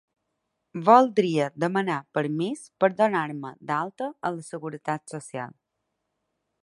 Voldria demanar permís per donar-me d'alta a la seguretat social.